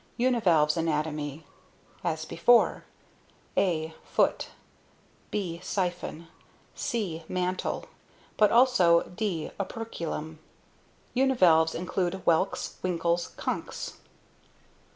UNIVALVE'S anatomy: As before, a) foot, b) siphon, c) mantle, but also d) operculum. Univalves include whelks, winkles, conchs.